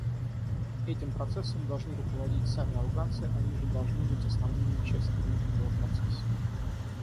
Этим процессом должны руководить сами афганцы, они же должны быть основными участниками этого процесса.